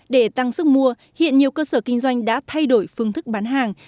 để tăng sức mua hiện nhiều cơ sở kinh doanh đã thay đổi phương thức bán hàng